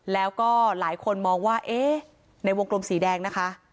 แล้วก็หลายคนมองว่าเอ๊ะในวงกลมสีแดงนะคะ